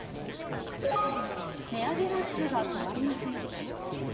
値上げラッシュが止まりません。